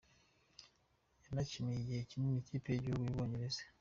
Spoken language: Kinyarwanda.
Yanakiniye igihe kinini Ikipe y’Igihugu y’u Bwongereza.